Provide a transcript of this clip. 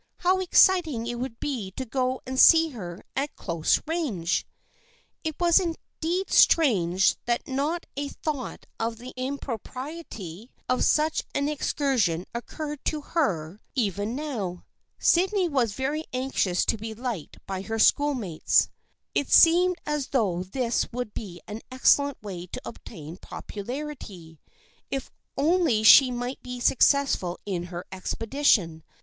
How exciting it would be to go and see her at close range ! It was indeed strange that not a thought of the impropriety of such an excursion occurred to her SS SHE GAZED DOWN INTO THE GROUNDS NEXT DOOR" THE FKIENDSHIP OF ANNE 77 even now. Sydney was very anxious to be liked by her schoolmates. It seemed as though this would be an excellent way to obtain popularity. If only she might be successful in her expedition